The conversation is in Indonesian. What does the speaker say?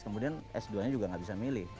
kemudian s dua nya juga nggak bisa milih